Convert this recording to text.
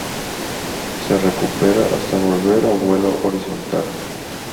Se recupera hasta volver a vuelo horizontal.